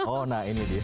oh nah ini dia